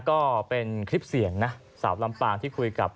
คอลเซนเตอร์นี่ก็เป็นคลิปเสียงนะฮะสาวลำปางที่คุยกับ